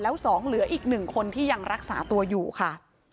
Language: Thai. แล้ว๒เหลืออีก๑คนที่ยังรักษาตัวอยู่ค่ะ